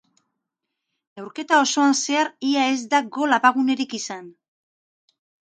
Neurketa osoan zehar ia ez da gol abagunerik izan.